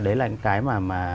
đấy là cái mà